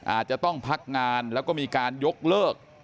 อาจจะต้องพักงานแล้วก็มีการยกเลิก